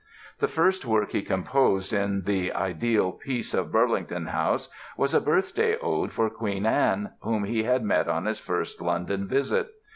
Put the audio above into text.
The first work he composed in the ideal peace of Burlington House was a Birthday Ode for Queen Anne, whom he had met on his first London visit.